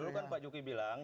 dulu kan pak juki bilang